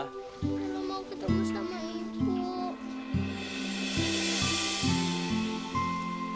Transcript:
aku mau ketemu sama ibu